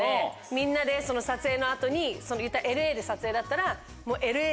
みんなで撮影の後にＬＡで撮影だったら。